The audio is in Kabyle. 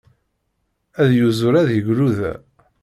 Ad yuzur ad yegluda.